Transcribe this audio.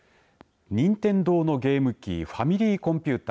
任天堂のゲーム機ファミリーコンピュータ。